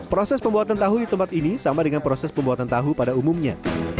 proses pembuatan tahu di tempat ini sama dengan proses pembuatan tahu pada umumnya